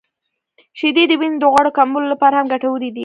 • شیدې د وینې د غوړ کمولو لپاره هم ګټورې دي.